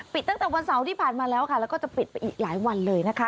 ตั้งแต่วันเสาร์ที่ผ่านมาแล้วค่ะแล้วก็จะปิดไปอีกหลายวันเลยนะคะ